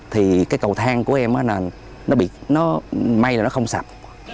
thì cái cầu thang của em nó may là nó không sạc